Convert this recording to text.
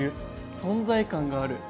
存在感がある。